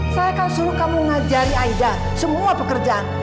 saya akan suruh kamu ngajari aida semua pekerjaan